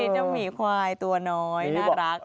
เจ้าหมีควายตัวน้อยน่ารัก